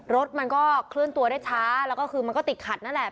รถมันก็เคลื่อนตัวได้ช้าแล้วก็คือมันก็ติดขัดนั่นแหละ